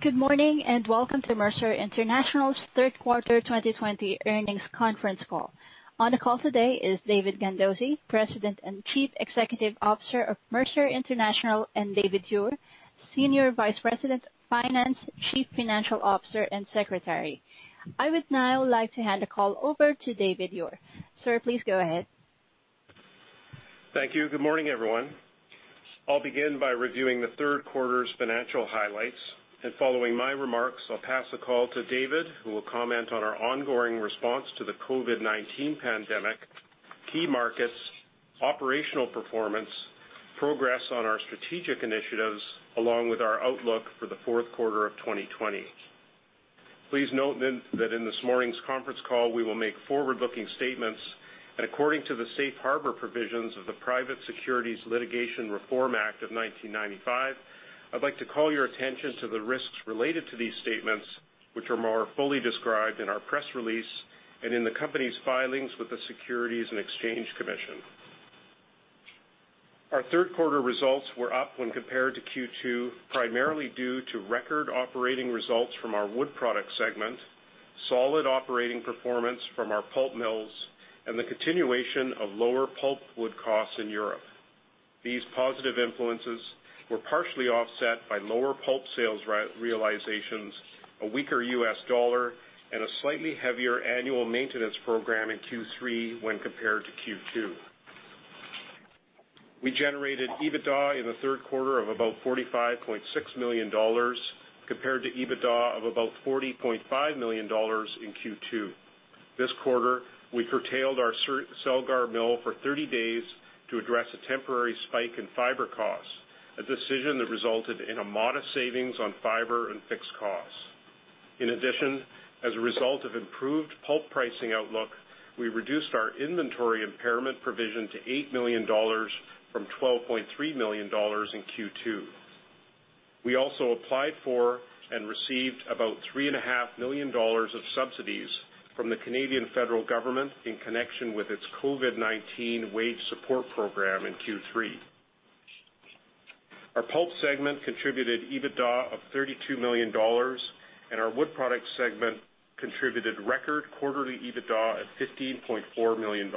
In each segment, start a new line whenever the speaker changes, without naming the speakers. Good morning and welcome to Mercer International's Third Quarter 2020 Earnings Conference Call. On the call today is David Gandossi, President and Chief Executive Officer of Mercer International, and David Ure, Senior Vice President of Finance, Chief Financial Officer and Secretary. I would now like to hand the call over to David Ure. Sir, please go ahead.
Thank you. Good morning, everyone. I'll begin by reviewing the third quarter's financial highlights, and following my remarks, I'll pass the call to David, who will comment on our ongoing response to the COVID-19 pandemic, key markets, operational performance, progress on our strategic initiatives, along with our outlook for the fourth quarter of 2020. Please note that in this morning's conference call, we will make forward-looking statements, and according to the Safe Harbor provisions of the Private Securities Litigation Reform Act of 1995, I'd like to call your attention to the risks related to these statements, which are more fully described in our press release and in the company's filings with the Securities and Exchange Commission. Our third quarter results were up when compared to Q2, primarily due to record operating results from our wood product segment, solid operating performance from our pulp mills, and the continuation of lower pulpwood costs in Europe. These positive influences were partially offset by lower pulp sales realizations, a weaker U.S. dollar, and a slightly heavier annual maintenance program in Q3 when compared to Q2. We generated EBITDA in the third quarter of about $45.6 million, compared to EBITDA of about $40.5 million in Q2. This quarter, we curtailed our Celgar mill for 30 days to address a temporary spike in fiber costs, a decision that resulted in a modest savings on fiber and fixed costs. In addition, as a result of improved pulp pricing outlook, we reduced our inventory impairment provision to $8 million from $12.3 million in Q2. We also applied for and received about $3.5 million of subsidies from the Canadian federal government in connection with its COVID-19 wage support program in Q3. Our pulp segment contributed EBITDA of $32 million, and our wood product segment contributed record quarterly EBITDA of $15.4 million.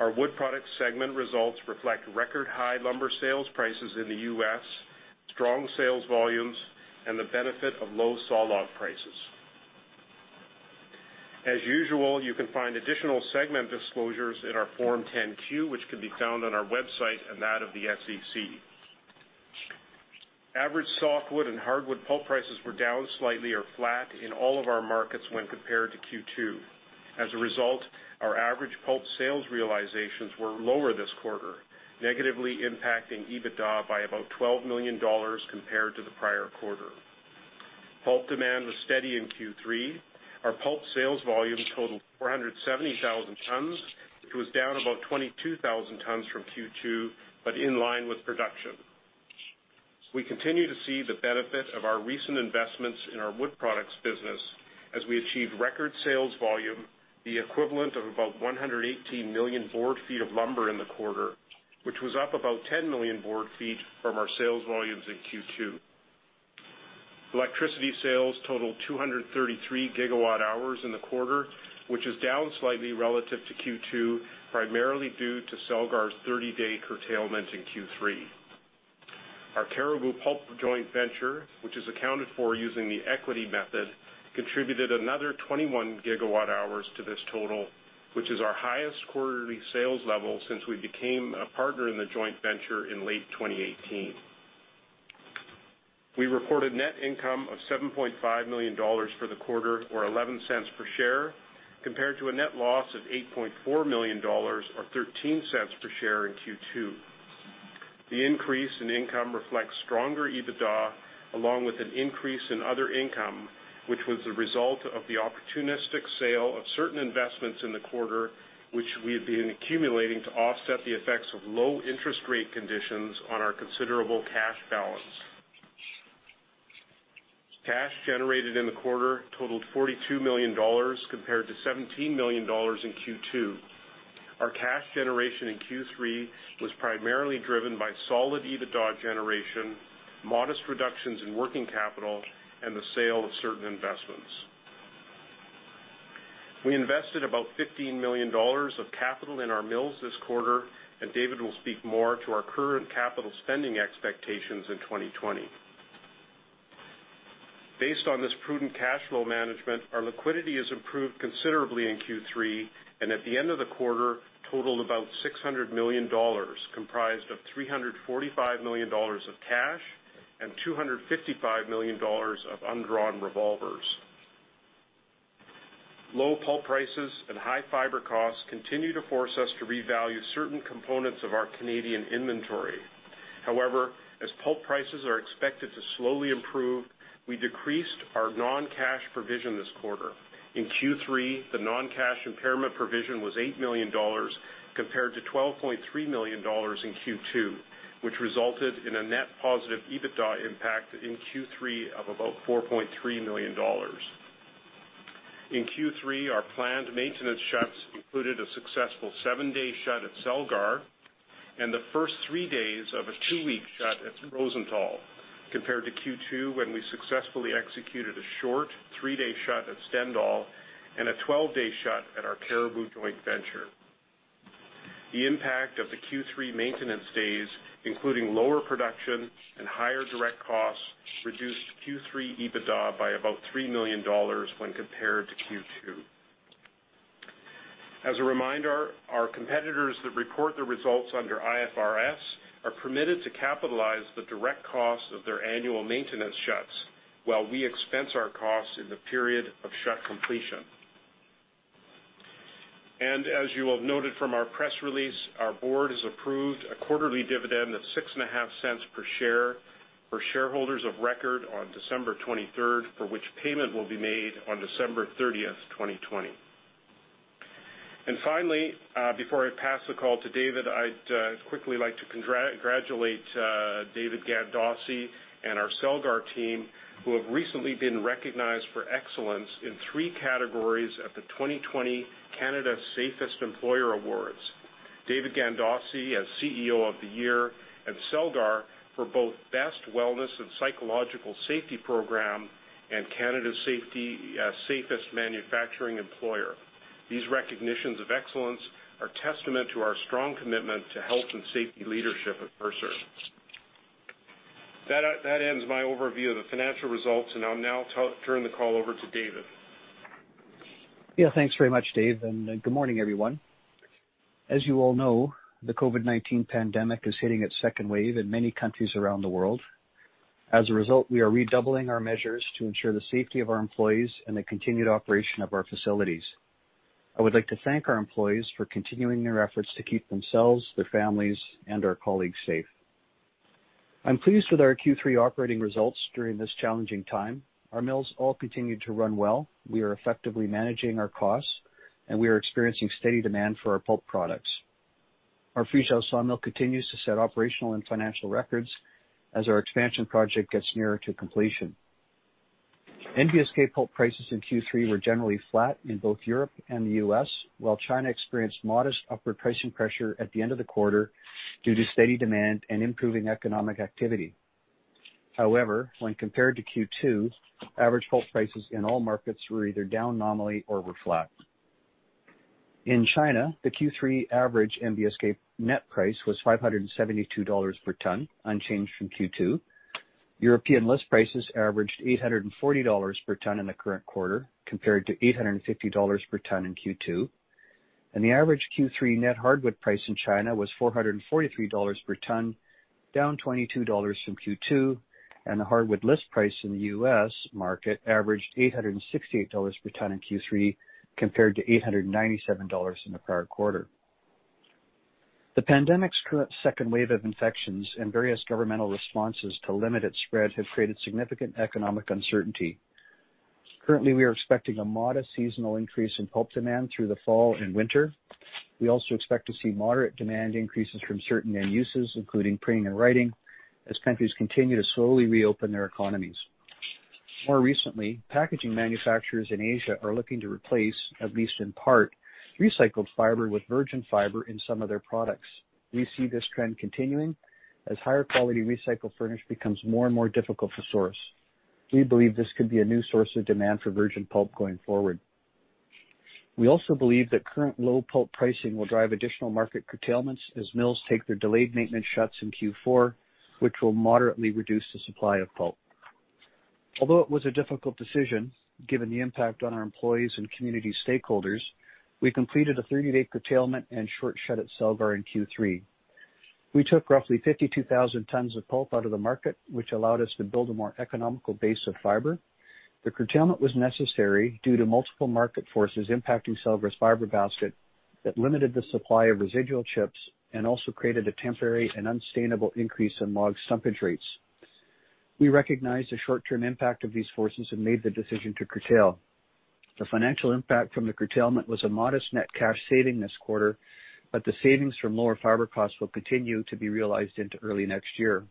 Our wood product segment results reflect record high lumber sales prices in the U.S., strong sales volumes, and the benefit of low sawlog prices. As usual, you can find additional segment disclosures in our Form 10-Q, which can be found on our website and that of the SEC. Average softwood and hardwood pulp prices were down slightly or flat in all of our markets when compared to Q2. As a result, our average pulp sales realizations were lower this quarter, negatively impacting EBITDA by about $12 million compared to the prior quarter. Pulp demand was steady in Q3. Our pulp sales volume totaled 470,000 tons, which was down about 22,000 tons from Q2, but in line with production. We continue to see the benefit of our recent investments in our wood products business as we achieved record sales volume, the equivalent of about 118 million board feet of lumber in the quarter, which was up about 10 million board feet from our sales volumes in Q2. Electricity sales totaled 233 gigawatt hours in the quarter, which is down slightly relative to Q2, primarily due to Celgar's 30-day curtailment in Q3. Our Cariboo Pulp Joint Venture, which is accounted for using the equity method, contributed another 21 GWh to this total, which is our highest quarterly sales level since we became a partner in the joint venture in late 2018. We reported net income of $7.5 million for the quarter, or 11 cents per share, compared to a net loss of $8.4 million, or 13 cents per share in Q2. The increase in income reflects stronger EBITDA, along with an increase in other income, which was the result of the opportunistic sale of certain investments in the quarter, which we had been accumulating to offset the effects of low interest rate conditions on our considerable cash balance. Cash generated in the quarter totaled $42 million, compared to $17 million in Q2. Our cash generation in Q3 was primarily driven by solid EBITDA generation, modest reductions in working capital, and the sale of certain investments. We invested about $15 million of capital in our mills this quarter, and David will speak more to our current capital spending expectations in 2020. Based on this prudent cash flow management, our liquidity has improved considerably in Q3 and at the end of the quarter totaled about $600 million, comprised of $345 million of cash and $255 million of undrawn revolvers. Low pulp prices and high fiber costs continue to force us to revalue certain components of our Canadian inventory. However, as pulp prices are expected to slowly improve, we decreased our non-cash provision this quarter. In Q3, the non-cash impairment provision was $8 million, compared to $12.3 million in Q2, which resulted in a net positive EBITDA impact in Q3 of about $4.3 million. In Q3, our planned maintenance shuts included a successful seven-day shut at Celgar and the first three days of a two-week shut at Rosenthal, compared to Q2 when we successfully executed a short three-day shut at Stendal and a 12-day shut at our Cariboo Joint Venture. The impact of the Q3 maintenance days, including lower production and higher direct costs, reduced Q3 EBITDA by about $3 million when compared to Q2. As a reminder, our competitors that report the results under IFRS are permitted to capitalize the direct costs of their annual maintenance shuts, while we expense our costs in the period of shut completion. You will have noted from our press release, our board has approved a quarterly dividend of $0.065 per share for shareholders of record on December 23rd, for which payment will be made on December 30th, 2020. Finally, before I pass the call to David, I'd quickly like to congratulate David Gandossi and our Celgar team, who have recently been recognized for excellence in three categories at the 2020 Canada's Safest Employers Awards. David Gandossi as CEO of the Year and Celgar for both Best Wellness and Psychological Safety Program and Canada's Safest Manufacturing Employer. These recognitions of excellence are testament to our strong commitment to health and safety leadership at Mercer. That ends my overview of the financial results, and I'll now turn the call over to David.
Yeah, thanks very much, Dave, and good morning, everyone. As you all know, the COVID-19 pandemic is hitting its second wave in many countries around the world. As a result, we are redoubling our measures to ensure the safety of our employees and the continued operation of our facilities. I would like to thank our employees for continuing their efforts to keep themselves, their families, and our colleagues safe. I'm pleased with our Q3 operating results during this challenging time. Our mills all continue to run well. We are effectively managing our costs, and we are experiencing steady demand for our pulp products. Our Friesau sawmill continues to set operational and financial records as our expansion project gets nearer to completion. NBSK pulp prices in Q3 were generally flat in both Europe and the U.S., while China experienced modest upward pricing pressure at the end of the quarter due to steady demand and improving economic activity. However, when compared to Q2, average pulp prices in all markets were either down nominally or were flat. In China, the Q3 average NBSK net price was $572 per ton, unchanged from Q2. European list prices averaged $840 per ton in the current quarter, compared to $850 per ton in Q2. And the average Q3 net hardwood price in China was $443 per ton, down $22 from Q2, and the hardwood list price in the U.S. market averaged $868 per ton in Q3, compared to $897 in the prior quarter. The pandemic's second wave of infections and various governmental responses to limit its spread have created significant economic uncertainty. Currently, we are expecting a modest seasonal increase in pulp demand through the fall and winter. We also expect to see moderate demand increases from certain end uses, including printing and writing, as countries continue to slowly reopen their economies. More recently, packaging manufacturers in Asia are looking to replace, at least in part, recycled fiber with virgin fiber in some of their products. We see this trend continuing as higher quality recycled furnish becomes more and more difficult to source. We believe this could be a new source of demand for virgin pulp going forward. We also believe that current low pulp pricing will drive additional market curtailments as mills take their delayed maintenance shuts in Q4, which will moderately reduce the supply of pulp. Although it was a difficult decision, given the impact on our employees and community stakeholders, we completed a 30-day curtailment and short shut at Celgar in Q3. We took roughly 52,000 tons of pulp out of the market, which allowed us to build a more economical base of fiber. The curtailment was necessary due to multiple market forces impacting Celgar's fiber basket that limited the supply of residual chips and also created a temporary and unsustainable increase in log stumpage rates. We recognize the short-term impact of these forces and made the decision to curtail. The financial impact from the curtailment was a modest net cash saving this quarter, but the savings from lower fiber costs will continue to be realized into early next year.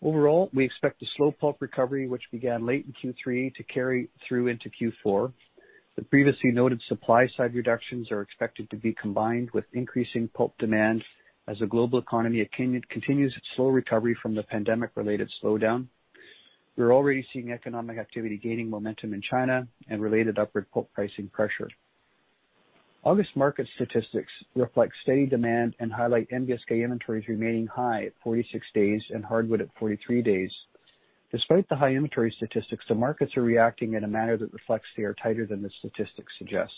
Overall, we expect the slow pulp recovery, which began late in Q3, to carry through into Q4. The previously noted supply-side reductions are expected to be combined with increasing pulp demand as the global economy continues its slow recovery from the pandemic-related slowdown. We're already seeing economic activity gaining momentum in China and related upward pulp pricing pressure. August market statistics reflect steady demand and highlight NBSK inventories remaining high at 46 days and hardwood at 43 days. Despite the high inventory statistics, the markets are reacting in a manner that reflects they are tighter than the statistics suggest.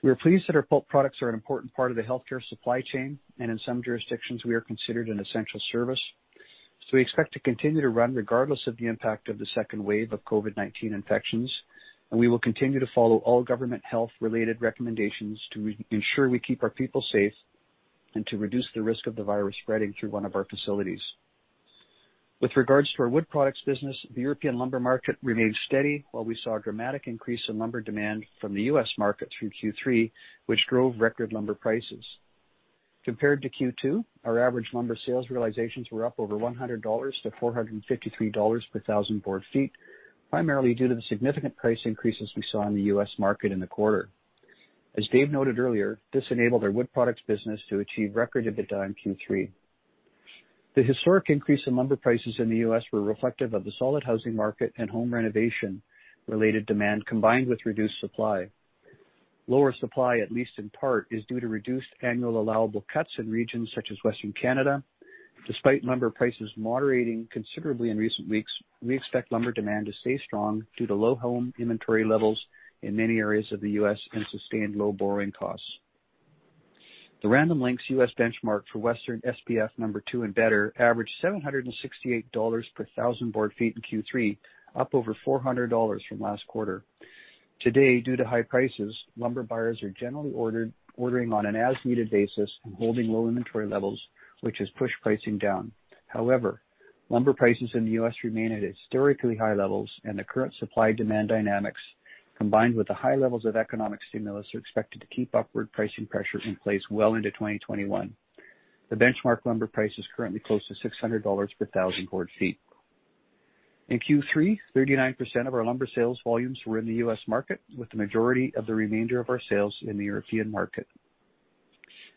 We're pleased that our pulp products are an important part of the healthcare supply chain, and in some jurisdictions, we are considered an essential service. So we expect to continue to run regardless of the impact of the second wave of COVID-19 infections, and we will continue to follow all government health-related recommendations to ensure we keep our people safe and to reduce the risk of the virus spreading through one of our facilities. With regards to our wood products business, the European lumber market remained steady while we saw a dramatic increase in lumber demand from the U.S. market through Q3, which drove record lumber prices. Compared to Q2, our average lumber sales realizations were up over $100 to $453 per thousand board feet, primarily due to the significant price increases we saw in the U.S. market in the quarter. As Dave noted earlier, this enabled our wood products business to achieve record EBITDA in Q3. The historic increase in lumber prices in the U.S. was reflective of the solid housing market and home renovation-related demand combined with reduced supply. Lower supply, at least in part, is due to reduced annual allowable cuts in regions such as Western Canada. Despite lumber prices moderating considerably in recent weeks, we expect lumber demand to stay strong due to low home inventory levels in many areas of the U.S. and sustained low borrowing costs. The Random Lengths U.S. benchmark for Western SPF number two and better averaged $768 per thousand board feet in Q3, up over $400 from last quarter. Today, due to high prices, lumber buyers are generally ordering on an as-needed basis and holding low inventory levels, which has pushed pricing down. However, lumber prices in the U.S. remain at historically high levels, and the current supply-demand dynamics, combined with the high levels of economic stimulus, are expected to keep upward pricing pressure in place well into 2021. The benchmark lumber price is currently close to $600 per thousand board feet. In Q3, 39% of our lumber sales volumes were in the U.S. market, with the majority of the remainder of our sales in the European market.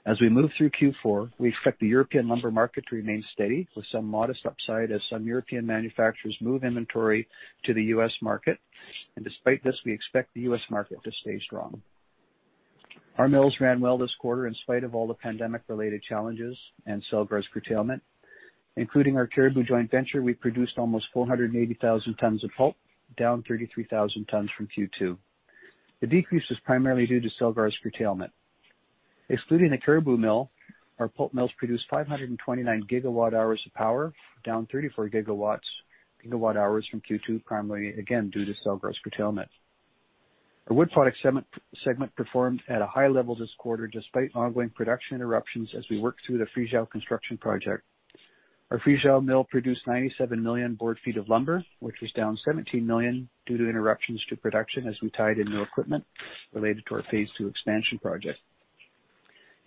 As we move through Q4, we expect the European lumber market to remain steady, with some modest upside as some European manufacturers move inventory to the U.S. market, and despite this, we expect the U.S. market to stay strong. Our mills ran well this quarter in spite of all the pandemic-related challenges and Celgar's curtailment. Including our Cariboo Joint Venture, we produced almost 480,000 tons of pulp, down 33,000 tons from Q2. The decrease is primarily due to Celgar's curtailment. Excluding the Cariboo mill, our pulp mills produced 529 GWh of power, down 34 GWh from Q2, primarily again due to Celgar's curtailment. Our wood product segment performed at a high level this quarter despite ongoing production interruptions as we worked through the Friesau construction project. Our Friesau mill produced 97 million board feet of lumber, which was down 17 million due to interruptions to production as we tied in new equipment related to our Phase II expansion project.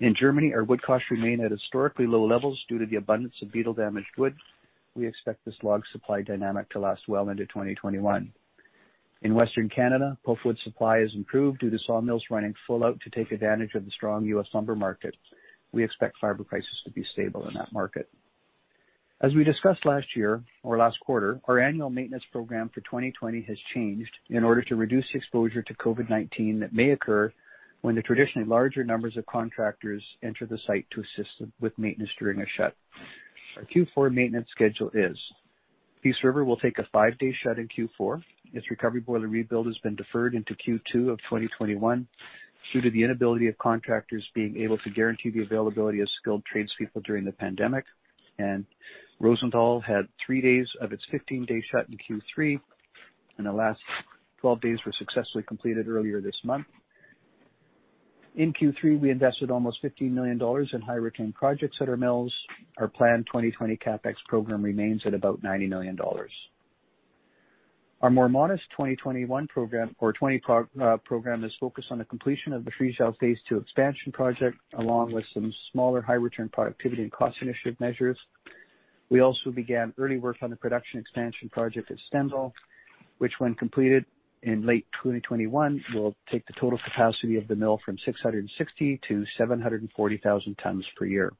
In Germany, our wood costs remain at historically low levels due to the abundance of beetle-damaged wood. We expect this log supply dynamic to last well into 2021. In Western Canada, pulp wood supply has improved due to sawmills running full out to take advantage of the strong U.S. lumber market. We expect fiber prices to be stable in that market. As we discussed last year or last quarter, our annual maintenance program for 2020 has changed in order to reduce the exposure to COVID-19 that may occur when the traditionally larger numbers of contractors enter the site to assist with maintenance during a shut. Our Q4 maintenance schedule is: Peace River will take a five-day shut in Q4. Its recovery boiler rebuild has been deferred into Q2 of 2021 due to the inability of contractors being able to guarantee the availability of skilled tradespeople during the pandemic, and Rosenthal had three days of its 15-day shut in Q3, and the last 12 days were successfully completed earlier this month. In Q3, we invested almost $15 million in high-return projects at our mills. Our planned 2020 CapEx program remains at about $90 million. Our more modest 2021 program or 2020 program has focused on the completion of the Friesau phase II expansion project, along with some smaller high-return productivity and cost initiative measures. We also began early work on the production expansion project at Stendal, which, when completed in late 2021, will take the total capacity of the mill from 660,000 to 740,000 tons per year.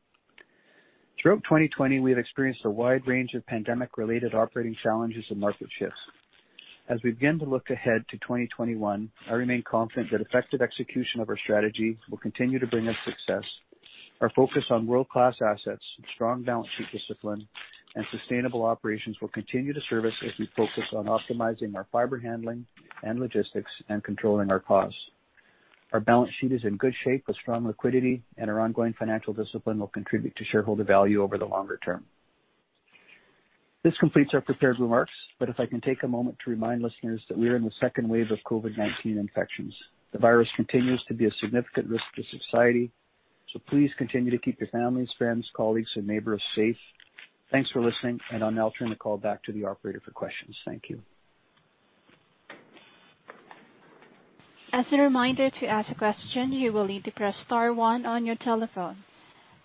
Throughout 2020, we have experienced a wide range of pandemic-related operating challenges and market shifts. As we begin to look ahead to 2021, I remain confident that effective execution of our strategy will continue to bring us success. Our focus on world-class assets, strong balance sheet discipline, and sustainable operations will continue to serve us as we focus on optimizing our fiber handling and logistics and controlling our costs. Our balance sheet is in good shape with strong liquidity, and our ongoing financial discipline will contribute to shareholder value over the longer term. This completes our prepared remarks, but if I can take a moment to remind listeners that we are in the second wave of COVID-19 infections. The virus continues to be a significant risk to society, so please continue to keep your families, friends, colleagues, and neighbors safe. Thanks for listening, and I'll now turn the call back to the operator for questions. Thank you.
As a reminder to ask a question, you will need to press star one on your telephone.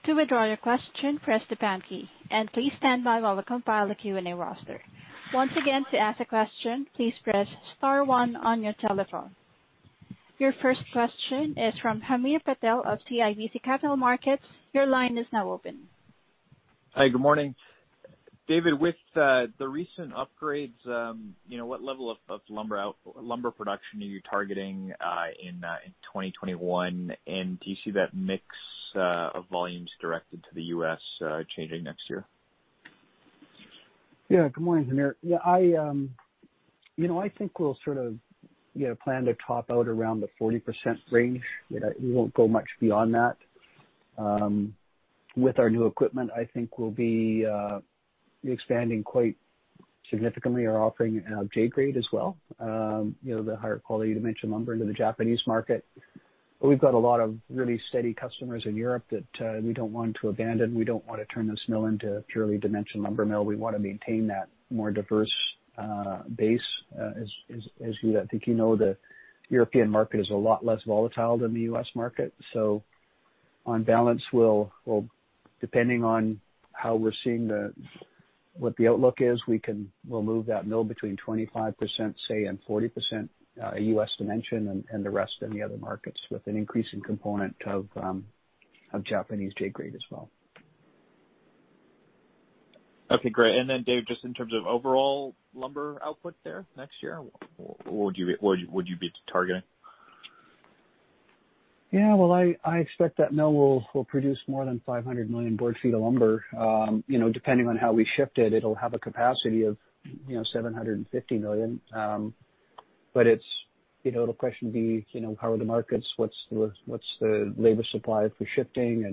To withdraw your question, press the pound key. And please stand by while we compile the Q&A roster. Once again, to ask a question, please press star one on your telephone. Your first question is from Hamir Patel of CIBC Capital Markets. Your line is now open.
Hi, good morning. David, with the recent upgrades, what level of lumber production are you targeting in 2021? And do you see that mix of volumes directed to the U.S. changing next year?
Yeah, good morning, Hamir. I think we'll sort of plan to top out around the 40% range. We won't go much beyond that. With our new equipment, I think we'll be expanding quite significantly. We're offering J-grade as well, the higher quality dimension lumber into the Japanese market. But we've got a lot of really steady customers in Europe that we don't want to abandon. We don't want to turn this mill into a purely dimension lumber mill. We want to maintain that more diverse base. As you know, the European market is a lot less volatile than the U.S. market. So on balance, depending on how we're seeing what the outlook is, we'll move that mill between 25%-40% U.S. dimension and the rest in the other markets with an increasing component of Japanese J-grade as well.
Okay, great. And then, David, just in terms of overall lumber output there next year, what would you be targeting?
Yeah, well, I expect that mill will produce more than 500 million board feet of lumber. Depending on how we shift it, it'll have a capacity of 750 million. But the question will be, how are the markets? What's the labor supply for shifting?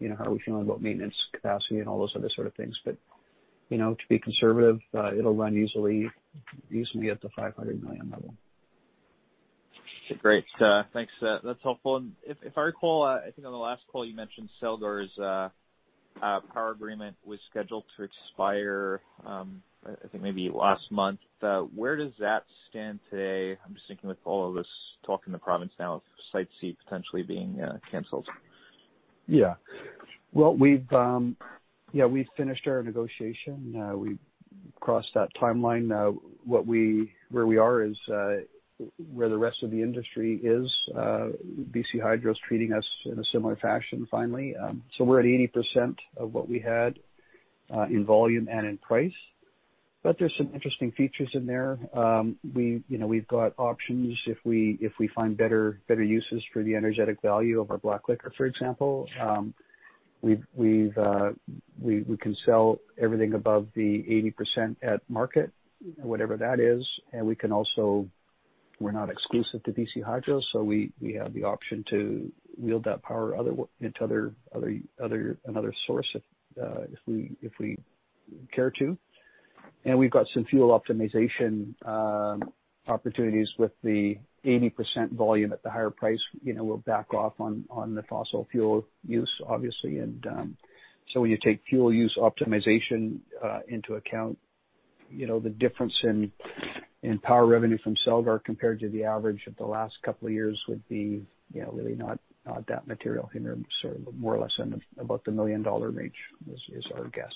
And how are we feeling about maintenance capacity and all those other sort of things? But to be conservative, it'll run easily at the 500 million level.
Okay, great. Thanks. That's helpful. And if I recall, I think on the last call, you mentioned Celgar's power agreement was scheduled to expire, I think, maybe last month. Where does that stand today? I'm just thinking with all of us talking in the province now of Site C potentially being canceled.
Yeah. Well, yeah, we've finished our negotiation. We've crossed that timeline. Where we are is where the rest of the industry is. BC Hydro is treating us in a similar fashion, finally. So we're at 80% of what we had in volume and in price. But there's some interesting features in there. We've got options if we find better uses for the energy value of our black liquor, for example. We can sell everything above the 80% at market, whatever that is. And we can also. We're not exclusive to BC Hydro, so we have the option to wheel that power into another source if we care to. And we've got some fuel optimization opportunities with the 80% volume at the higher price. We'll back off on the fossil fuel use, obviously. When you take fuel use optimization into account, the difference in power revenue from Celgar compared to the average of the last couple of years would be really not that material. We're sort of more or less in about the $1 million range, is our guess.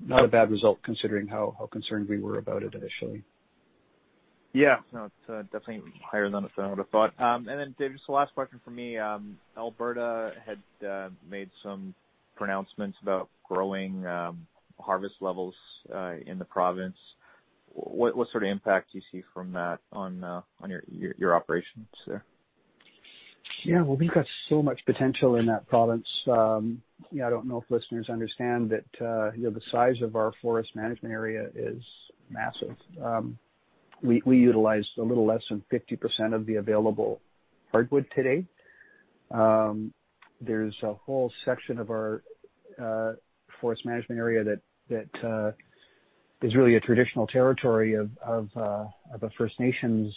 Not a bad result considering how concerned we were about it initially.
Yeah, so it's definitely higher than I would have thought. And then, David, just the last question for me. Alberta had made some pronouncements about growing harvest levels in the province. What sort of impact do you see from that on your operations there?
Yeah, well, we've got so much potential in that province. I don't know if listeners understand that the size of our forest management area is massive. We utilize a little less than 50% of the available hardwood today. There's a whole section of our forest management area that is really a traditional territory of the First Nations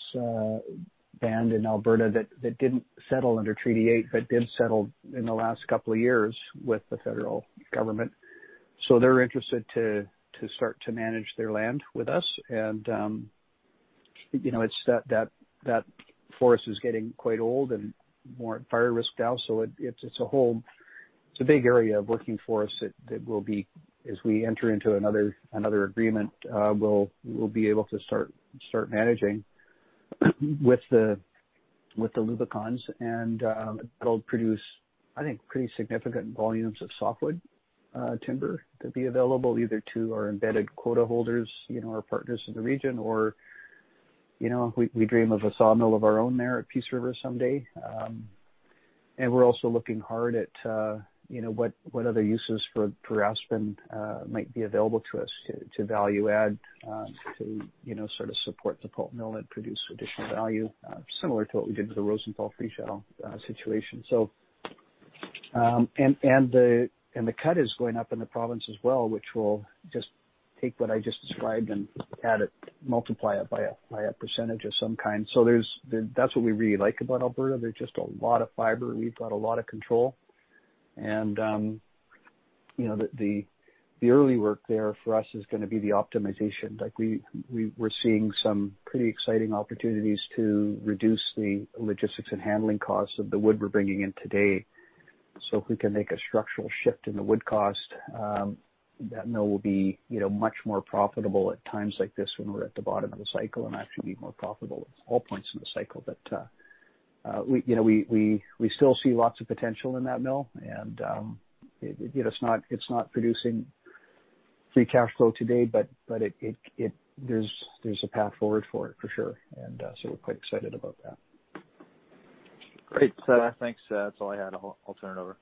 band in Alberta that didn't settle under Treaty 8 but did settle in the last couple of years with the federal government. So they're interested to start to manage their land with us. And it's that forest is getting quite old and more fire risk now. So it's a big area of working for us that we'll be, as we enter into another agreement, we'll be able to start managing with the Lubicons. That'll produce, I think, pretty significant volumes of softwood timber to be available either to our embedded quota holders, our partners in the region, or we dream of a sawmill of our own there at Peace River someday. We're also looking hard at what other uses for aspen might be available to us to value-add to sort of support the pulp mill and produce additional value, similar to what we did with the Rosenthal-Friesau situation. The cut is going up in the province as well, which will just take what I just described and multiply it by a percentage of some kind. That's what we really like about Alberta. There's just a lot of fiber. We've got a lot of control. The early work there for us is going to be the optimization. We're seeing some pretty exciting opportunities to reduce the logistics and handling costs of the wood we're bringing in today. So if we can make a structural shift in the wood cost, that mill will be much more profitable at times like this when we're at the bottom of the cycle and actually be more profitable at all points in the cycle. But we still see lots of potential in that mill. And it's not producing free cash flow today, but there's a path forward for it, for sure. And so we're quite excited about that.
Great. Thanks. That's all I had. I'll turn it over.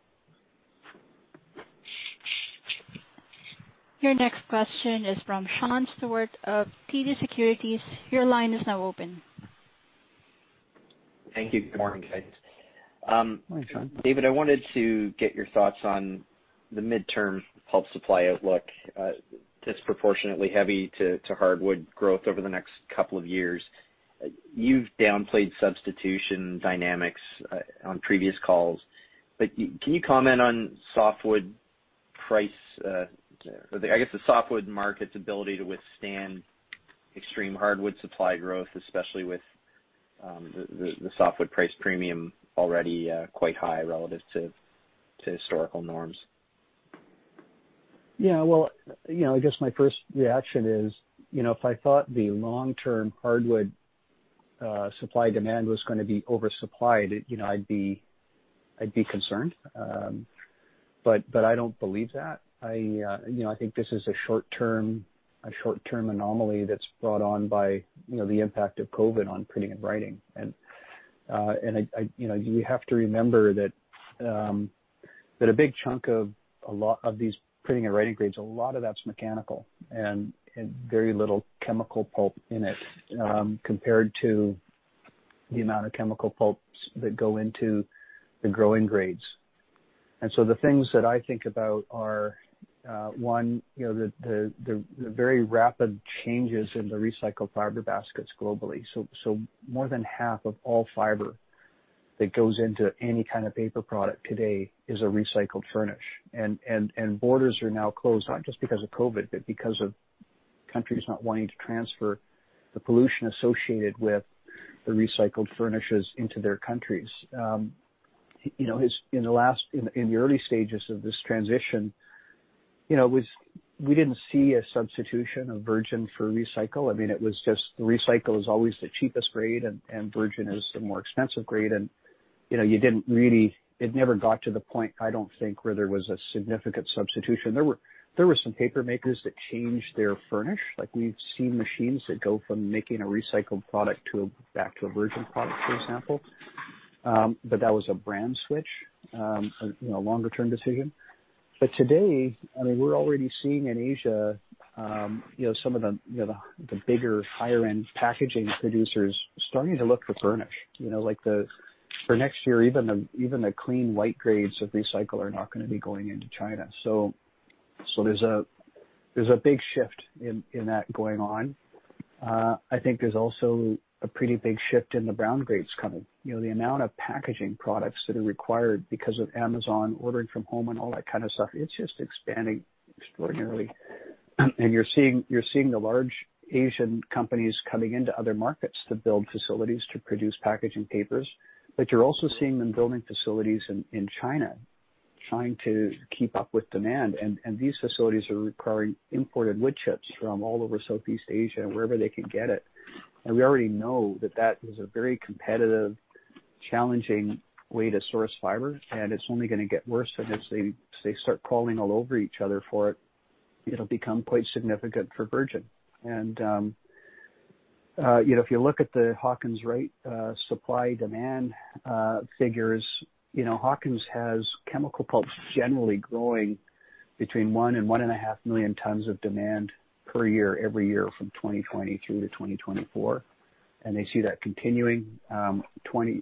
Your next question is from Sean Steuart of TD Securities. Your line is now open.
Thank you. Good morning, guys. David, I wanted to get your thoughts on the midterm pulp supply outlook. Disproportionately heavy to hardwood growth over the next couple of years. You've downplayed substitution dynamics on previous calls. But can you comment on softwood price? I guess the softwood market's ability to withstand extreme hardwood supply growth, especially with the softwood price premium already quite high relative to historical norms.
Yeah, well, I guess my first reaction is if I thought the long-term hardwood supply demand was going to be oversupplied, I'd be concerned. But I don't believe that. I think this is a short-term anomaly that's brought on by the impact of COVID on printing and writing. And you have to remember that a big chunk of these printing and writing grades, a lot of that's mechanical and very little chemical pulp in it compared to the amount of chemical pulps that go into the growing grades. And so the things that I think about are, one, the very rapid changes in the recycled fiber baskets globally. So more than half of all fiber that goes into any kind of paper product today is a recycled furnish. Borders are now closed, not just because of COVID, but because of countries not wanting to transfer the pollution associated with the recycled furnishes into their countries. In the early stages of this transition, we didn't see a substitution of virgin for recycle. I mean, it was just the recycle is always the cheapest grade, and virgin is the more expensive grade. You didn't really. It never got to the point, I don't think, where there was a significant substitution. There were some paper makers that changed their furnish. We've seen machines that go from making a recycled product back to a virgin product, for example. That was a brand switch, a longer-term decision. Today, I mean, we're already seeing in Asia some of the bigger higher-end packaging producers starting to look for furnish. For next year, even the clean white grades of recycle are not going to be going into China. So there's a big shift in that going on. I think there's also a pretty big shift in the brown grades coming. The amount of packaging products that are required because of Amazon ordering from home and all that kind of stuff, it's just expanding extraordinarily. And you're seeing the large Asian companies coming into other markets to build facilities to produce packaging papers. But you're also seeing them building facilities in China trying to keep up with demand. And these facilities are requiring imported wood chips from all over Southeast Asia and wherever they can get it. And we already know that that is a very competitive, challenging way to source fiber. And it's only going to get worse. And if they start calling all over each other for it, it'll become quite significant for virgin. And if you look at the Hawkins Wright supply demand figures, Hawkins Wright has chemical pulps generally growing between one and one and a half million tons of demand per year every year from 2020 through to 2024. And they see that continuing.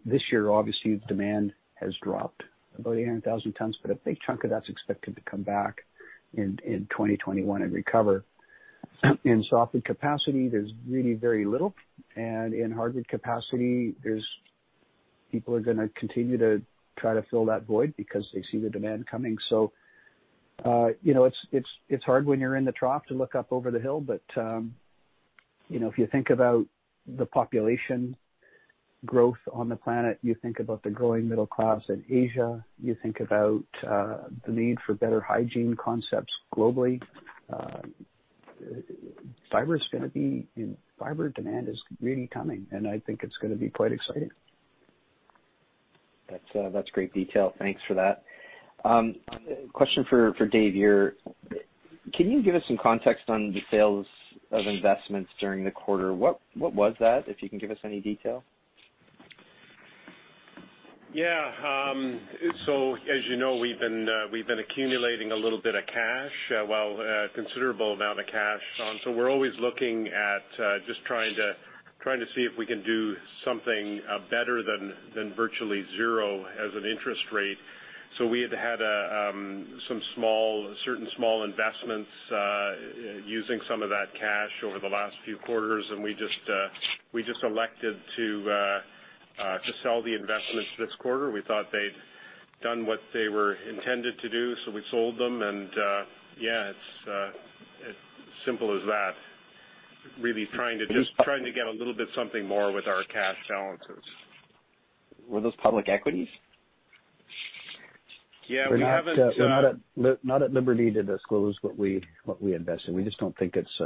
This year, obviously, the demand has dropped about 800,000 tons, but a big chunk of that's expected to come back in 2021 and recover. In softwood capacity, there's really very little. And in hardwood capacity, people are going to continue to try to fill that void because they see the demand coming. So it's hard when you're in the trough to look up over the hill. But if you think about the population growth on the planet, you think about the growing middle class in Asia. You think about the need for better hygiene concepts globally. Fiber demand is really coming, and I think it's going to be quite exciting.
That's great detail. Thanks for that. Question for Dave here. Can you give us some context on the sales of investments during the quarter? What was that, if you can give us any detail?
Yeah. So as you know, we've been accumulating a little bit of cash, well, a considerable amount of cash. So we're always looking at just trying to see if we can do something better than virtually zero as an interest rate. So we had had some certain small investments using some of that cash over the last few quarters. And we just elected to sell the investments this quarter. We thought they'd done what they were intended to do. So we sold them. And yeah, it's as simple as that. Really trying to get a little bit something more with our cash balances.
Were those public equities?
Yeah. We haven't.
Not at liberty to disclose what we invest in. We just don't think it's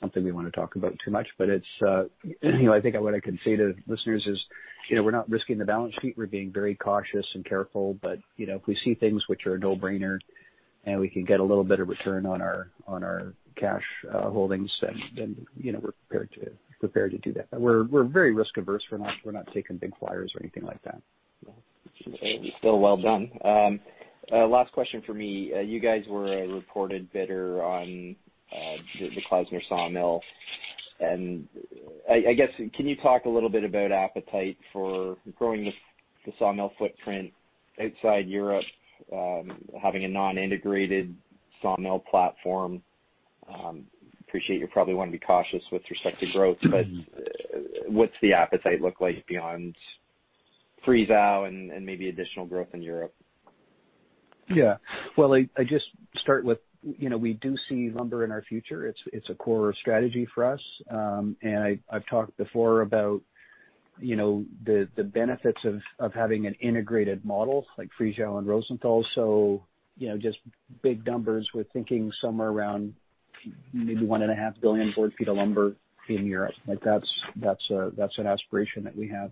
something we want to talk about too much. But I think what I can say to listeners is we're not risking the balance sheet. We're being very cautious and careful. But if we see things which are a no-brainer and we can get a little bit of return on our cash holdings, then we're prepared to do that. But we're very risk-averse. We're not taking big flyers or anything like that.
Still well done. Last question for me. You guys were reported bidder on the Klausner sawmill. And I guess, can you talk a little bit about appetite for growing the sawmill footprint outside Europe, having a non-integrated sawmill platform? Appreciate you probably want to be cautious with respect to growth. But what's the appetite look like beyond Friesau and maybe additional growth in Europe?
Yeah. Well, I just start with we do see lumber in our future. It's a core strategy for us. And I've talked before about the benefits of having an integrated model like Friesau and Rosenthal. So just big numbers, we're thinking somewhere around maybe one and a half billion board feet of lumber in Europe. That's an aspiration that we have.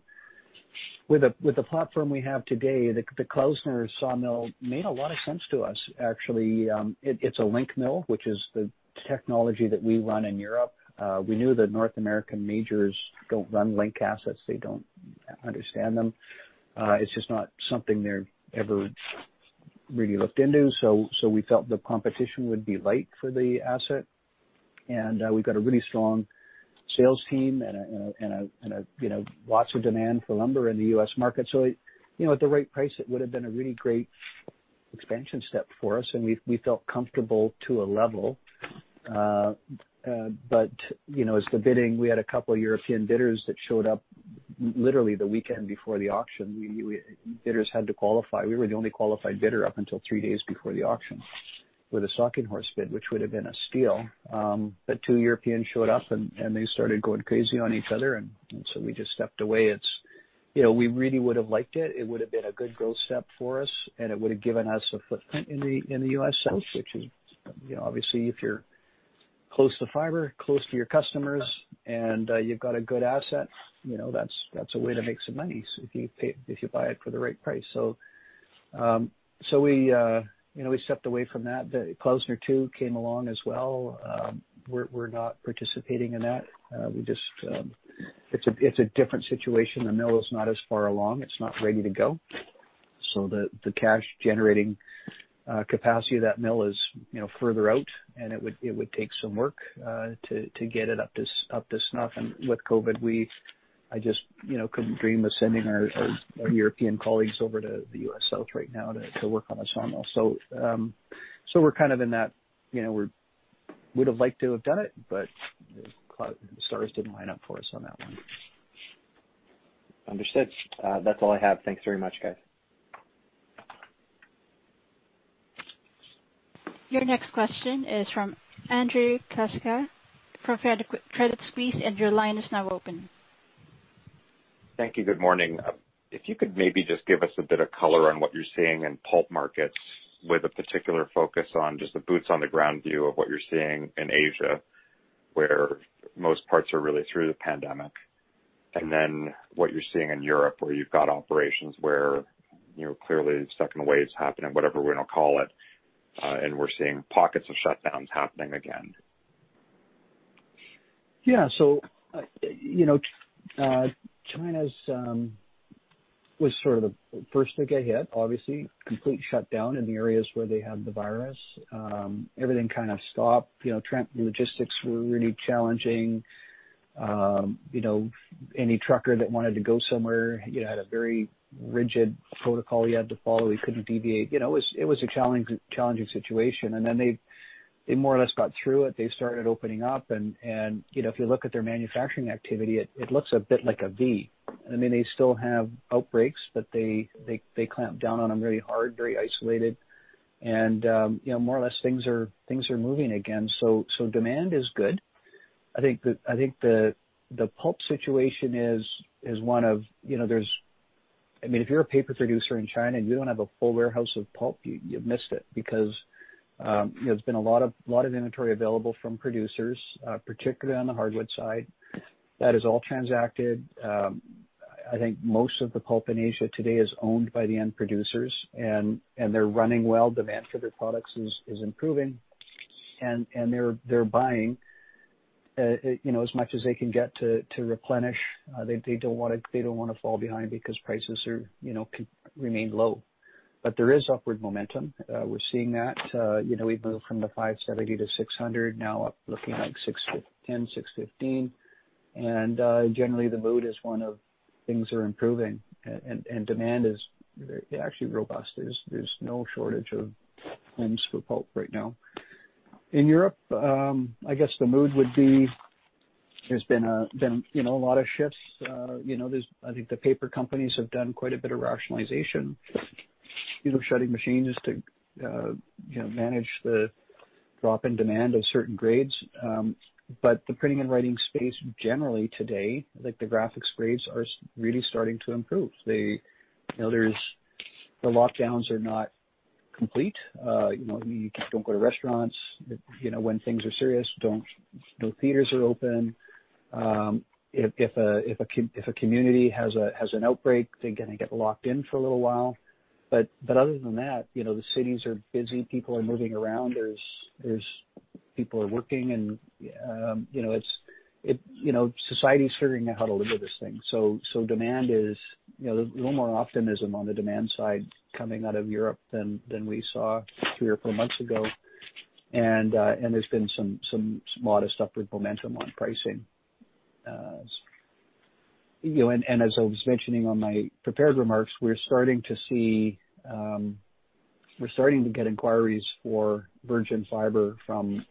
With the platform we have today, the Klausner sawmill made a lot of sense to us, actually. It's a Linck mill, which is the technology that we run in Europe. We knew the North American majors don't run Linck assets. They don't understand them. It's just not something they've ever really looked into. So we felt the competition would be light for the asset. And we've got a really strong sales team and lots of demand for lumber in the U.S. market. So at the right price, it would have been a really great expansion step for us. And we felt comfortable to a level. But as the bidding, we had a couple of European bidders that showed up literally the weekend before the auction. Bidders had to qualify. We were the only qualified bidder up until three days before the auction with a stalking horse bid, which would have been a steal. But two Europeans showed up and they started going crazy on each other. And so we just stepped away. We really would have liked it. It would have been a good growth step for us. And it would have given us a footprint in the U.S. South, which is obviously if you're close to fiber, close to your customers, and you've got a good asset, that's a way to make some money if you buy it for the right price. So we stepped away from that. The Klausner Two came along as well. We're not participating in that. It's a different situation. The mill is not as far along. It's not ready to go. So the cash-generating capacity of that mill is further out. And it would take some work to get it up to snuff. And with COVID, I just couldn't dream of sending our European colleagues over to the U.S. South right now to work on a sawmill. So we're kind of in that we would have liked to have done it, but the stars didn't line up for us on that one.
Understood. That's all I have. Thanks very much, guys.
Your next question is from Andrew Kuske from Credit Suisse, and your line is now open.
Thank you. Good morning. If you could maybe just give us a bit of color on what you're seeing in pulp markets with a particular focus on just the boots on the ground view of what you're seeing in Asia, where most parts are really through the pandemic, and then what you're seeing in Europe, where you've got operations where clearly lockdowns happening, whatever we want to call it, and we're seeing pockets of shutdowns happening again.
Yeah. So China was sort of the first to get hit, obviously. Complete shutdown in the areas where they had the virus. Everything kind of stopped. Logistics were really challenging. Any trucker that wanted to go somewhere had a very rigid protocol you had to follow. We couldn't deviate. It was a challenging situation. And then they more or less got through it. They started opening up. And if you look at their manufacturing activity, it looks a bit like a V. I mean, they still have outbreaks, but they clamped down on them really hard, very isolated. And more or less, things are moving again. So demand is good. I think the pulp situation is one of, I mean, if you're a paper producer in China and you don't have a full warehouse of pulp, you've missed it because there's been a lot of inventory available from producers, particularly on the hardwood side. That is all transacted. I think most of the pulp in Asia today is owned by the end producers. And they're running well. Demand for their products is improving. And they're buying as much as they can get to replenish. They don't want to fall behind because prices can remain low. But there is upward momentum. We're seeing that. We've moved from the 570 to 600, now looking like 610, 615. And generally, the mood is one of things are improving. And demand is actually robust. There's no shortage of homes for pulp right now. In Europe, I guess the mood would be there's been a lot of shifts. I think the paper companies have done quite a bit of rationalization, shutting machines to manage the drop in demand of certain grades. But the printing and writing space generally today, like the graphics grades, are really starting to improve. The lockdowns are not complete. You don't go to restaurants when things are serious. No theaters are open. If a community has an outbreak, they're going to get locked in for a little while. But other than that, the cities are busy. People are moving around. People are working. And society is figuring out how to live with this thing. So demand is a little more optimism on the demand side coming out of Europe than we saw three or four months ago. And there's been some modest upward momentum on pricing. As I was mentioning in my prepared remarks, we're starting to see we're getting inquiries for virgin fiber from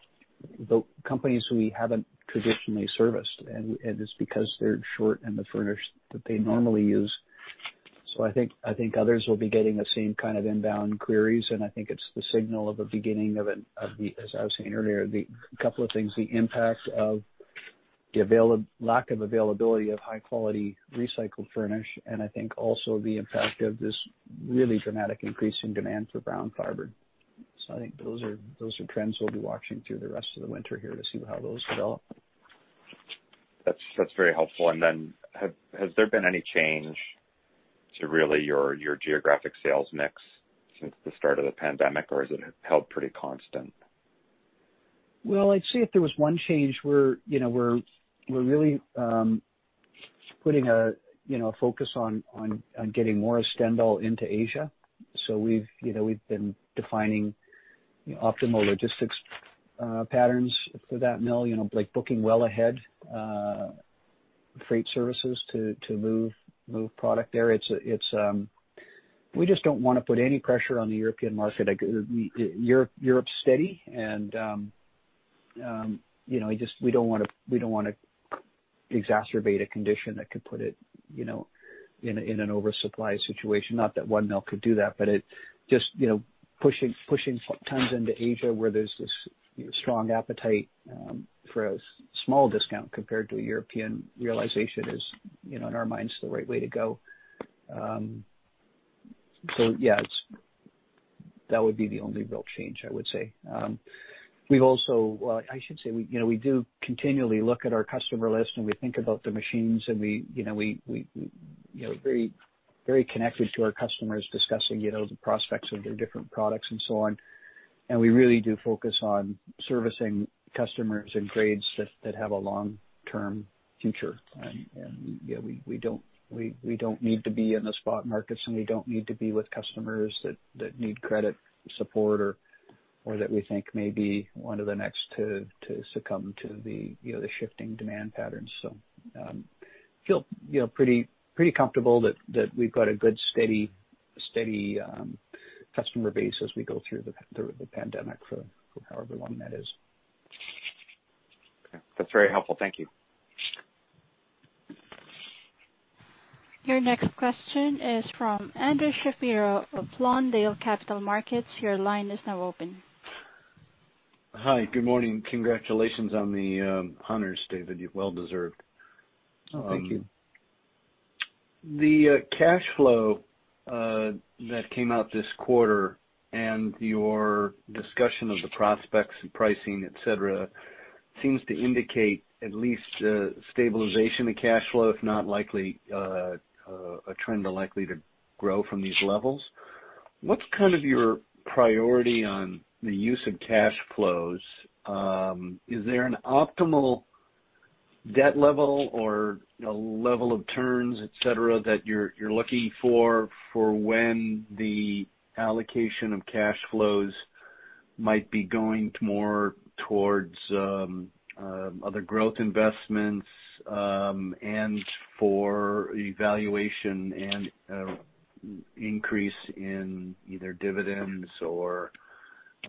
companies we haven't traditionally serviced. It's because they're short in the furnish that they normally use. I think others will be getting the same kind of inbound queries. I think it's the signal of a beginning of, as I was saying earlier, a couple of things: the impact of the lack of availability of high-quality recycled furnish. I think also the impact of this really dramatic increase in demand for brown fiber. I think those are trends we'll be watching through the rest of the winter here to see how those develop.
That's very helpful. And then has there been any change to really your geographic sales mix since the start of the pandemic, or has it held pretty constant?
I'd say if there was one change, we're really putting a focus on getting more of Stendal into Asia. So we've been defining optimal logistics patterns for that mill, like booking well ahead freight services to move product there. We just don't want to put any pressure on the European market. Europe's steady. And we don't want to exacerbate a condition that could put it in an oversupply situation. Not that one mill could do that, but just pushing tons into Asia where there's this strong appetite for a small discount compared to a European realization is, in our minds, the right way to go. So yeah, that would be the only real change, I would say. Well, I should say we do continually look at our customer list, and we think about the machines. We're very connected to our customers discussing the prospects of their different products and so on. We really do focus on servicing customers and grades that have a long-term future. We don't need to be in the spot markets. We don't need to be with customers that need credit support or that we think may be one of the next to succumb to the shifting demand patterns. I feel pretty comfortable that we've got a good, steady customer base as we go through the pandemic for however long that is.
Okay. That's very helpful. Thank you.
Your next question is from Andrew Shapiro of Lawndale Capital Markets. Your line is now open.
Hi. Good morning. Congratulations on the honors, David. You well deserved.
Oh, thank you.
The cash flow that came out this quarter and your discussion of the prospects and pricing, etc., seems to indicate at least stabilization of cash flow, if not a trend likely to grow from these levels. What's kind of your priority on the use of cash flows? Is there an optimal debt level or a level of turns, etc., that you're looking for for when the allocation of cash flows might be going more towards other growth investments and for evaluation and increase in either dividends or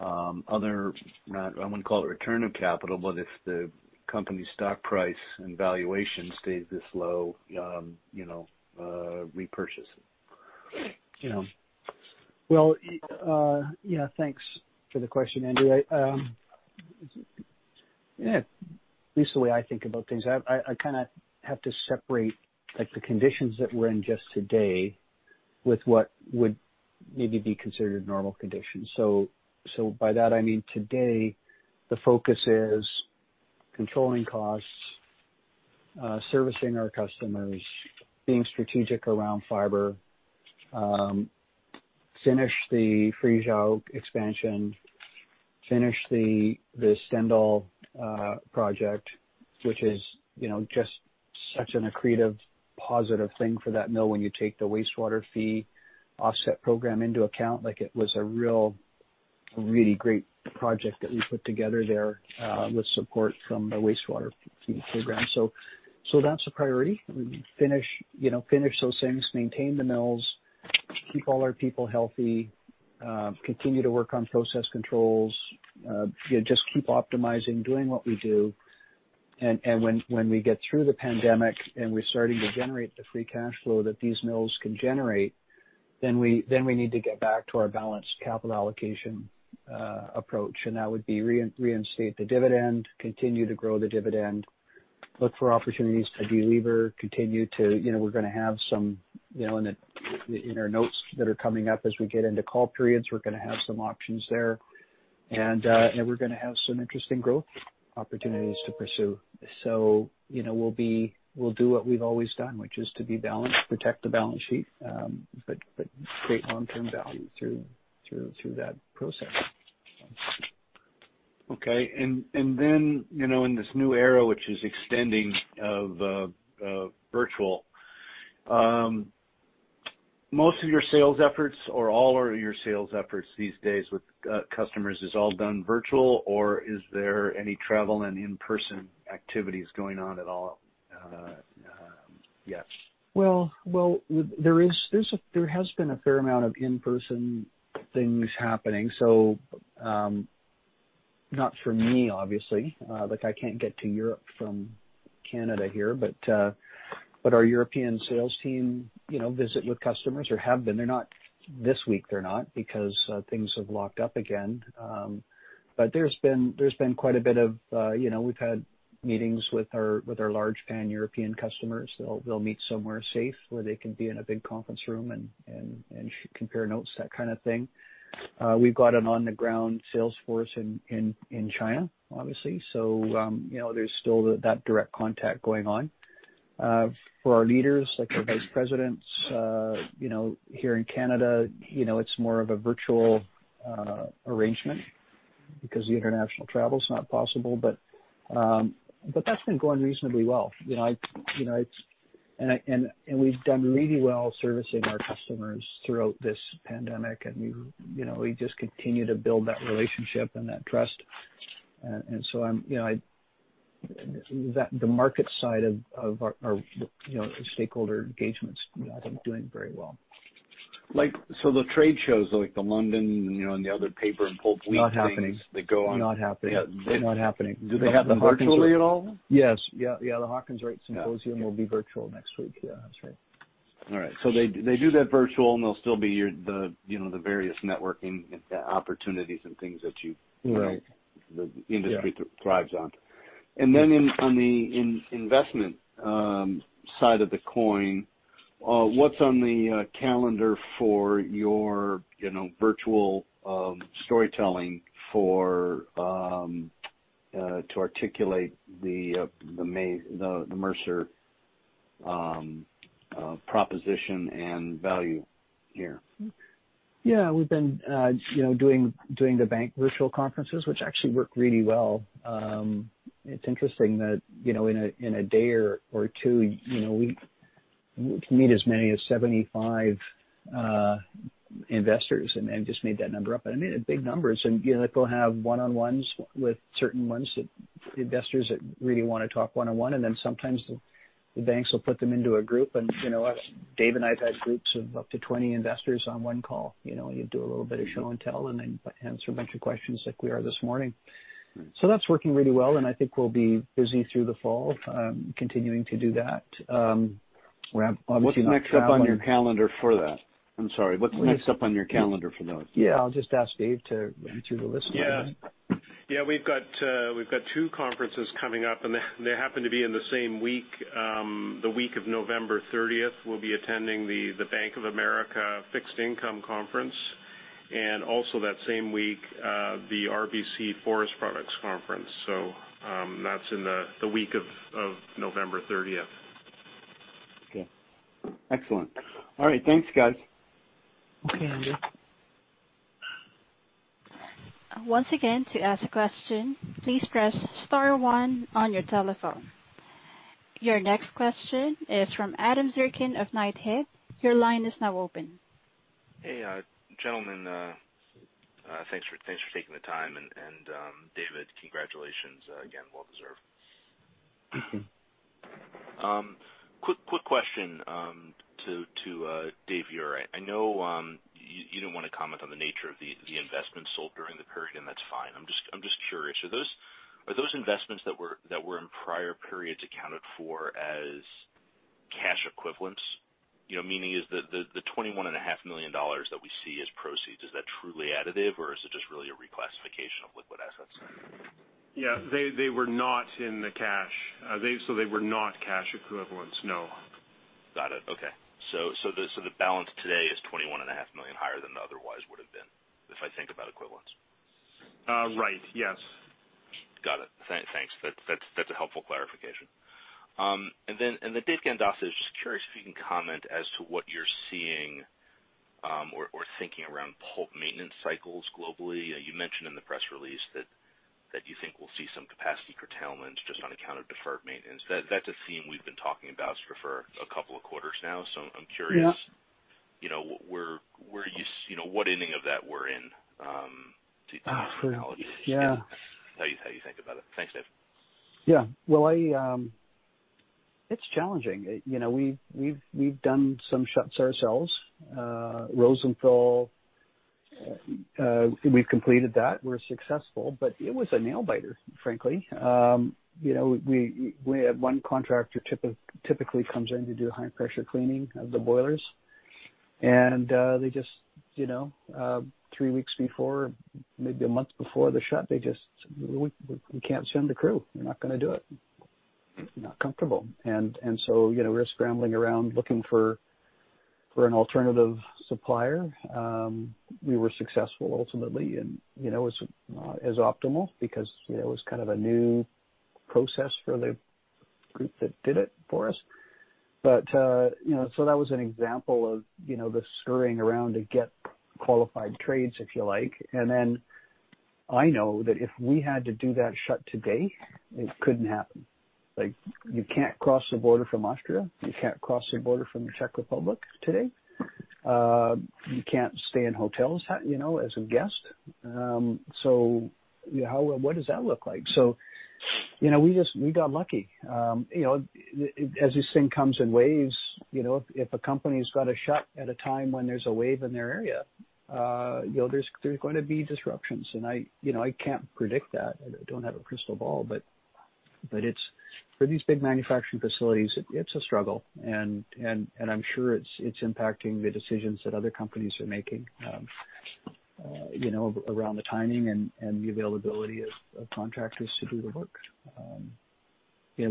other-I wouldn't call it return of capital, but if the company's stock price and valuation stays this low, repurchase.
Yeah, thanks for the question, Andrew. Yeah. Basically, I think about things. I kind of have to separate the conditions that we're in just today with what would maybe be considered normal conditions. So by that, I mean today, the focus is controlling costs, servicing our customers, being strategic around fiber, finish the Friesau expansion, finish the Stendal project, which is just such an accretive positive thing for that mill when you take the wastewater fee offset program into account. It was a really great project that we put together there with support from the wastewater fee program. So that's a priority. Finish those things, maintain the mills, keep all our people healthy, continue to work on process controls, just keep optimizing, doing what we do. When we get through the pandemic and we're starting to generate the free cash flow that these mills can generate, then we need to get back to our balanced capital allocation approach. That would be reinstate the dividend, continue to grow the dividend, look for opportunities to deliver, continue to. We're going to have some in our notes that are coming up as we get into call periods. We're going to have some options there. And we're going to have some interesting growth opportunities to pursue. We'll do what we've always done, which is to be balanced, protect the balance sheet, but create long-term value through that process.
Okay. And then in this new era, which is extending of virtual, most of your sales efforts or all of your sales efforts these days with customers is all done virtual, or is there any travel and in-person activities going on at all yet?
There has been a fair amount of in-person things happening. Not for me, obviously. I can't get to Europe from Canada here. Our European sales team visit with customers or have been. This week, they're not because things have locked up again. There's been quite a bit of. We've had meetings with our large pan-European customers. They'll meet somewhere safe where they can be in a big conference room and compare notes, that kind of thing. We've got an on-the-ground sales force in China, obviously. There's still that direct contact going on. For our leaders, like our vice presidents here in Canada, it's more of a virtual arrangement because the international travel is not possible. That's been going reasonably well. We've done really well servicing our customers throughout this pandemic. We just continue to build that relationship and that trust. And so the market side of our stakeholder engagements, I think, are doing very well.
So the trade shows, like the London and the other Paper and Pulp Weekly.
Not happening.
That go on.
Not happening.
Yeah.
They're not happening.
Do they happen virtually at all?
Yes. Yeah. Yeah. The Hawkins Wright Symposium will be virtual next week. Yeah. That's right.
All right. So they do that virtual, and they'll still be the various networking opportunities and things that the industry thrives on. And then on the investment side of the coin, what's on the calendar for your virtual storytelling to articulate the Mercer proposition and value here?
Yeah. We've been doing the bank virtual conferences, which actually work really well. It's interesting that in a day or two, we meet as many as 75 investors and just made that number up. And I mean, big numbers. And they'll have one-on-ones with certain investors that really want to talk one-on-one. And then sometimes the banks will put them into a group. And Dave and I've had groups of up to 20 investors on one call. You do a little bit of show and tell and then answer a bunch of questions like we are this morning. So that's working really well. And I think we'll be busy through the fall continuing to do that.
What's next up on your calendar for that? I'm sorry. What's next up on your calendar for those?
Yeah. I'll just ask Dave to run through the list.
Yeah. Yeah. We've got two conferences coming up. And they happen to be in the same week, the week of November 30th. We'll be attending the Bank of America Fixed Income Conference. And also that same week, the RBC Forest Products Conference. So that's in the week of November 30th.
Okay. Excellent. All right. Thanks, guys.
Okay, Andrew.
Once again, to ask a question, please press star one on your telephone. Your next question is from Adam Zirkin of Knighthead. Your line is now open.
Hey, gentlemen. Thanks for taking the time. And David, congratulations again. Well deserved. Quick question to Dave Ure. I know you didn't want to comment on the nature of the investments sold during the period, and that's fine. I'm just curious. Are those investments that were in prior periods accounted for as cash equivalents? Meaning is the $21.5 million that we see as proceeds, is that truly additive, or is it just really a reclassification of liquid assets?
Yeah. They were not in the cash. So they were not cash equivalents. No.
Got it. Okay. So the balance today is $21.5 million higher than otherwise would have been if I think about equivalents?
Right. Yes.
Got it. Thanks. That's a helpful clarification. And then, David, I'm just curious if you can comment as to what you're seeing or thinking around pulp maintenance cycles globally. You mentioned in the press release that you think we'll see some capacity curtailments just on account of deferred maintenance. That's a theme we've been talking about for a couple of quarters now. So I'm curious where you are in the ending of that we're in?
Oh, for sure. Yeah.
How do you think about it? Thanks, Dave.
Yeah. Well, it's challenging. We've done some shuts ourselves. Rosenthal, we've completed that. We're successful. But it was a nail biter, frankly. We had one contractor typically come in to do high-pressure cleaning of the boilers. And they just, three weeks before, maybe a month before the shut, they just, "We can't send the crew. We're not going to do it. We're not comfortable." And so we're scrambling around looking for an alternative supplier. We were successful, ultimately, and it was optimal because it was kind of a new process for the group that did it for us. But so that was an example of the scurrying around to get qualified trades, if you like. And then I know that if we had to do that shut today, it couldn't happen. You can't cross the border from Austria. You can't cross the border from the Czech Republic today. You can't stay in hotels as a guest. So what does that look like? So we got lucky. As this thing comes in waves, if a company's got a shut at a time when there's a wave in their area, there's going to be disruptions. And I can't predict that. I don't have a crystal ball. But for these big manufacturing facilities, it's a struggle. And I'm sure it's impacting the decisions that other companies are making around the timing and the availability of contractors to do the work. Yeah.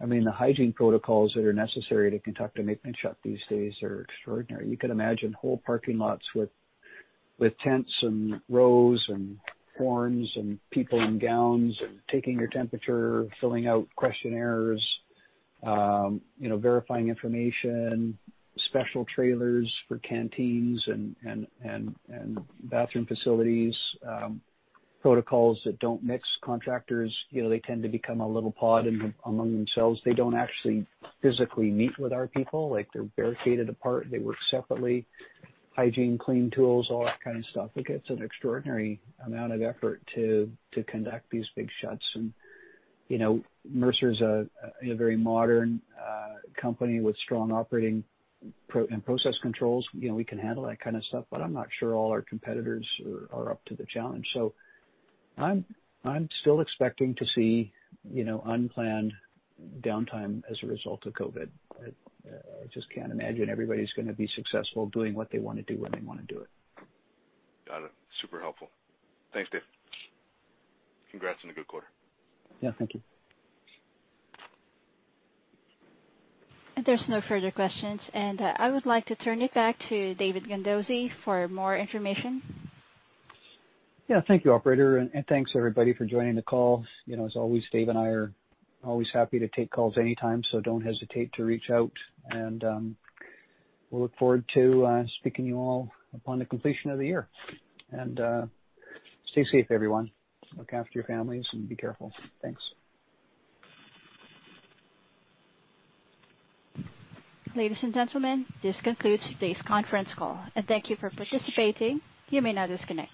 I mean, the hygiene protocols that are necessary to conduct a maintenance shut these days are extraordinary. You can imagine whole parking lots with tents and rows and horns and people in gowns and taking your temperature, filling out questionnaires, verifying information, special trailers for canteens and bathroom facilities, protocols that don't mix contractors. They tend to become a little pod among themselves. They don't actually physically meet with our people. They're barricaded apart. They work separately. Hygiene, clean tools, all that kind of stuff. It takes an extraordinary amount of effort to conduct these big shuts, and Mercer is a very modern company with strong operating and process controls. We can handle that kind of stuff. But I'm not sure all our competitors are up to the challenge, so I'm still expecting to see unplanned downtime as a result of COVID. I just can't imagine everybody's going to be successful doing what they want to do when they want to do it.
Got it. Super helpful. Thanks, Dave. Congrats on a good quarter.
Yeah. Thank you.
There's no further questions, and I would like to turn it back to David Gandossi for more information.
Yeah. Thank you, operator. And thanks, everybody, for joining the call. As always, Dave and I are always happy to take calls anytime. So don't hesitate to reach out. And we'll look forward to speaking to you all upon the completion of the year. And stay safe, everyone. Look after your families and be careful. Thanks.
Ladies and gentlemen, this concludes today's conference call, and thank you for participating. You may now disconnect.